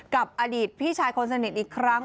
กับอดีตพี่ชายคนสนิทอีกครั้ง